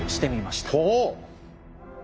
ほう！